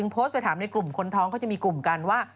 ไปถามในกลุ่มคนท้องก็จะมีกลุ่มกันว่า